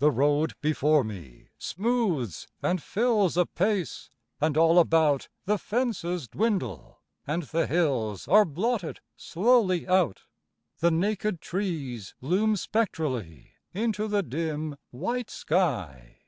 The road before me smooths and fills Apace, and all about The fences dwindle, and the hills Are blotted slowly out; The naked trees loom spectrally Into the dim white sky.